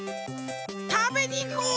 たべにいこう！